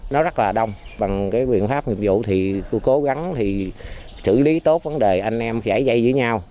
nó rất là đông bằng cái quyền pháp nhiệm vụ thì tôi cố gắng thì xử lý tốt vấn đề anh em giải dây với nhau